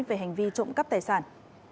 về hành vi trộm cắp tài sản